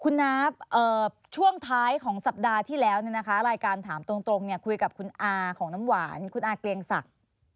คุณน้าช่วงท้ายของสัปดาห์ที่แล้วรายการถามตรงคุยกับคุณอาของน้ำหวานคุณอาเกลียงศักดิ์